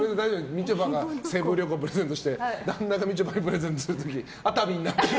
みちょぱがセブ旅行プレゼントして旦那がみちょぱにプレゼントする時に熱海になってたり。